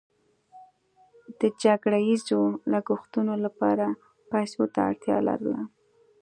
د جګړه ییزو لګښتونو لپاره پیسو ته اړتیا لرله.